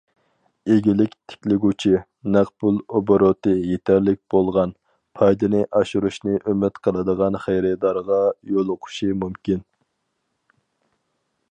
ئىگىلىك تىكلىگۈچى نەق پۇل ئوبوروتى يېتەرلىك بولغان، پايدىنى ئاشۇرۇشنى ئۈمىد قىلىدىغان خېرىدارغا يولۇقۇشى مۇمكىن.